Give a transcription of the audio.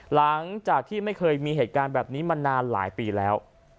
หลังจากที่ไม่เคยมีเหตุการณ์แบบนี้มานานหลายปีแล้ว